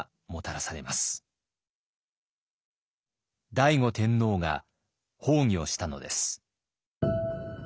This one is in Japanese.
醍醐天皇が崩御したのです。